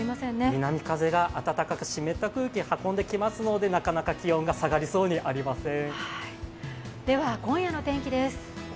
南風が暖かく湿った空気を運んできますのでなかなか気温が下がりそうにありません。